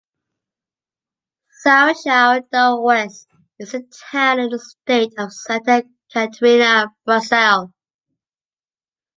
São João do Oeste is a town in the state of Santa Catarina, Brazil.